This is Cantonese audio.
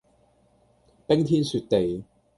冰天雪地